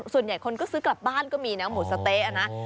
ส่วนใหญ่คนก็ซื้อกลับบ้านก็มีนะหมูสะเต๊ะนะ